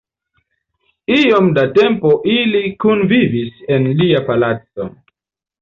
Iom da tempo ili kunvivis en lia palaco.